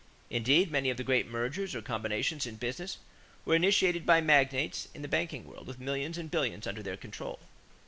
Indeed, many of the great mergers or combinations in business were initiated by magnates in the banking world with millions and billions under their control.